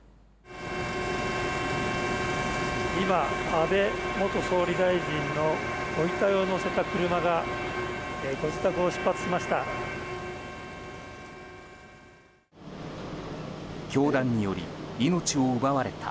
今、安倍元総理大臣のご遺体を乗せた車がご自宅を出発しました。